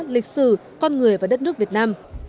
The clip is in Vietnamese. lịch sử con người và đất nước việt nam